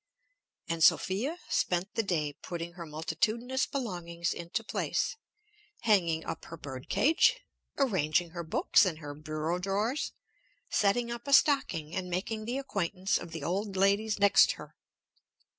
And Sophia spent the day putting her multitudinous belongings into place, hanging up her bird cage, arranging her books and her bureau drawers, setting up a stocking, and making the acquaintance of the old ladies next her.